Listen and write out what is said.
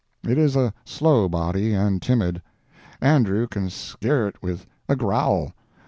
It is a slow body, and timid. Andrew can scare it with a growl.